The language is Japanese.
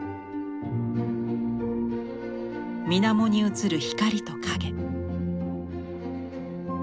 水面に映る光と影。